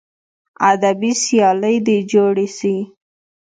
ادبي سیالۍ دې جوړې سي.